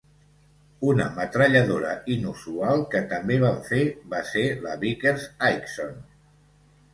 Una metralladora inusual que també van fer va ser la Vickers Higson.